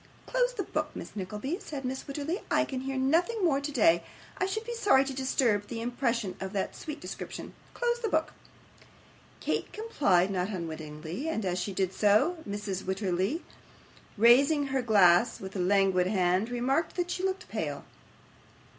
'Close the book, Miss Nickleby,' said Mrs. Wititterly. 'I can hear nothing more today; I should be sorry to disturb the impression of that sweet description. Close the book.' Kate complied, not unwillingly; and, as she did so, Mrs. Wititterly raising her glass with a languid hand, remarked, that she looked pale.